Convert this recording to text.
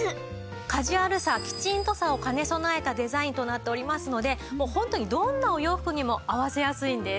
カジュアルさキチンとさを兼ね備えたデザインとなっておりますのでホントにどんなお洋服にも合わせやすいんです。